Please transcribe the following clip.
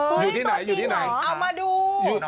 เออตัวจริงเหรอเอามาดู